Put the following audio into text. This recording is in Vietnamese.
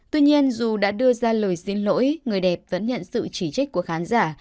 tuy nhiên dù đã đưa ra lời xin lỗi người đẹp vẫn nhận sự chỉ trích của khán giả